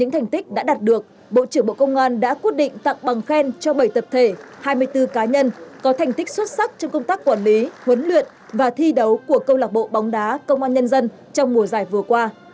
thành tích đã đạt được bộ trưởng bộ công an đã quyết định tặng bằng khen cho bảy tập thể hai mươi bốn cá nhân có thành tích xuất sắc trong công tác quản lý huấn luyện và thi đấu của câu lạc bộ bóng đá công an nhân dân trong mùa giải vừa qua